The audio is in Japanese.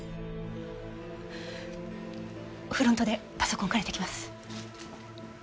フロントでパソコン借りてきます。